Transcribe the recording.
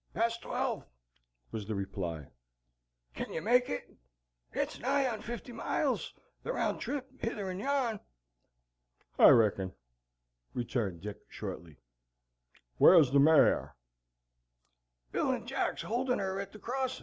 "Past twelve," was the reply; "can you make it? it's nigh on fifty miles, the round trip hither and yon." "I reckon," returned Dick, shortly. "Whar's the mare?" "Bill and Jack's holdin' her at the crossin'."